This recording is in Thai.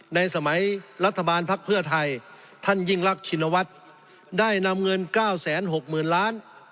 ในสมัยรัฐบาลภักดิ์เพื่อไทยท่านยิ่งรักชินวัฒน์ได้นำเงิน๙๖๐๐๐ล้าน